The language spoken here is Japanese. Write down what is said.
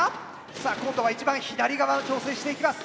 さあ今度は一番左側を挑戦していきます。